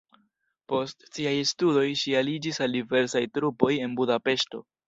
Post siaj studoj ŝi aliĝis al diversaj trupoj en Budapeŝto.